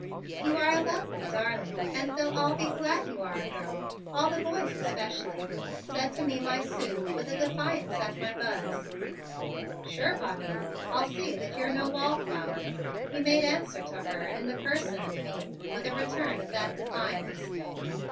You are a lovely darling and they'll all be glad you are a girl all the boys especially," said to me my Sue, with a defiance at my Buzz. "Sure, Bobbyette, I'll see that you're no wall flower," he made answer to her in the person of me, with a return of that defiance.